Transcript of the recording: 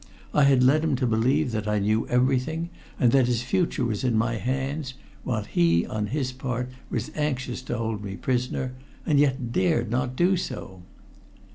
I had led him to believe that I knew everything, and that his future was in my hands, while he, on his part, was anxious to hold me prisoner, and yet dared not do so.